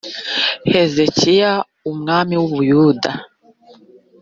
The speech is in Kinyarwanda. hezekiya umwami w u buyuda